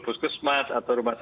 puskesmas atau rumah sakit